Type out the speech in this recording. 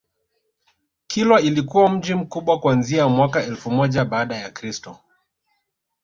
Kilwa ilikuwa mji mkubwa kuanzia mwaka elfu moja baada ya Kristo